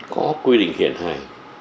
có quy định hiện hành